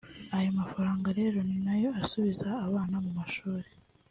Ayo mafaranga rero ni ayo gusubiza abo bana mu mashuri